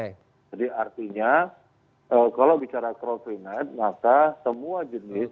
jadi artinya kalau bicara crowd free night maka semua jenis